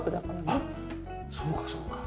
あっそうかそうか。